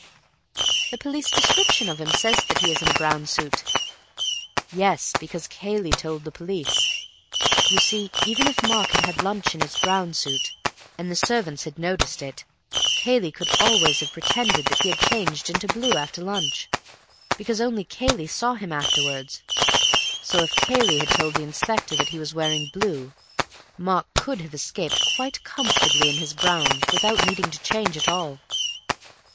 "The police description of him says that he is in a brown suit." "Yes, because Cayley told the police. You see, even if Mark had had lunch in his brown suit, and the servants had noticed it, Cayley could always have pretended that he had changed into blue after lunch, because only Cayley saw him afterwards. So if Cayley had told the Inspector that he was wearing blue, Mark could have escaped quite comfortably in his brown, without needing to change at all."